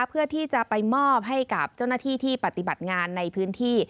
เพื่อที่จะไปมอบให้กับเจ้าหน้าที่ที่ปฏิบัติงานในพื้นที่